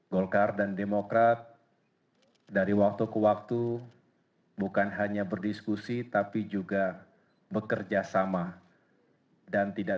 golkar dan demokrat dari waktu ke waktu bukan hanya berdiskusi tapi juga bekerja sama dan tidak